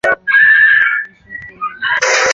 苍南毛蕨为金星蕨科毛蕨属下的一个种。